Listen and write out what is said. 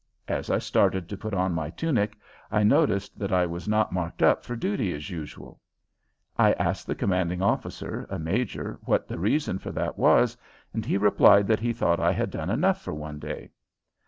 As I started to put on my tunic I noticed that I was not marked up for duty as usual. I asked the commanding officer, a major, what the reason for that was, and he replied that he thought I had done enough for one day.